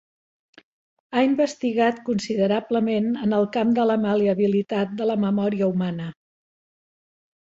Ha investigat considerablement en el camp de la mal·leabilitat de la memòria humana.